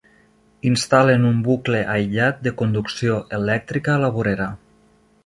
Instal·len un bucle aïllat de conducció elèctrica a la vorera.